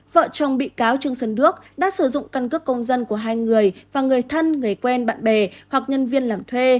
vợ chồng bị cáo trương sơn đước đã sử dụng căn cước công dân của hai người và người thân người quen bạn bè hoặc nhân viên làm thuê